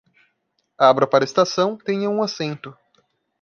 Abra para a estação, tenha um assento